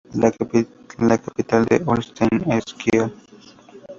La capital de Holstein es Kiel.